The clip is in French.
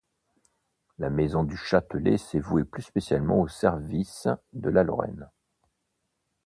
La maison du Châtelet s'est vouée plus spécialement au service de la Lorraine.